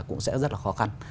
cũng sẽ rất là khó khăn